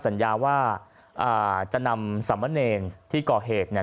สัญญาว่าอ่าจะนำสามเณรที่ก่อเหตุเนี่ย